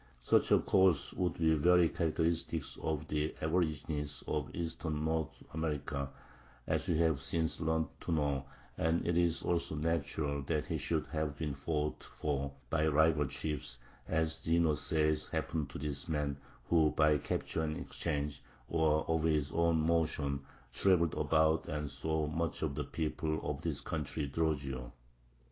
Such a course would be very characteristic of the aborigines of eastern North America, as we have since learned to know; and it is also natural that he should have been fought for by rival chiefs, as Zeno says happened to this man, who, by capture and exchange, or of his own motion, traveled about and saw much of the people of this "country" Drogeo.